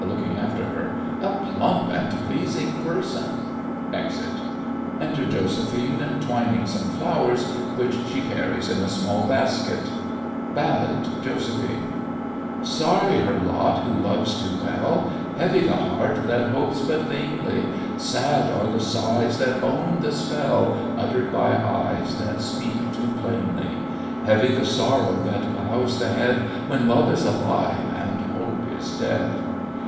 (looking after her). A plump and pleasing person! [Exit. Enter JOSEPHINE, twining some flowers which she carries in a small basket BALLAD JOSEPHINE Sorry her lot who loves too well, Heavy the heart that hopes but vainly, Sad are the sighs that own the spell, Uttered by eyes that speak too plainly; Heavy the sorrow that bows the head When love is alive and hope is dead!